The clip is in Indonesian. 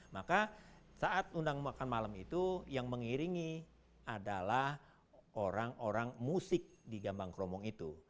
maka saat undang makan malam itu yang mengiringi adalah orang orang musik di gambang kromong itu